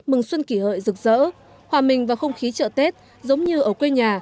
mừng xuân kỳ hợi rực rỡ hòa mình và không khí chợ tết giống như ở quê nhà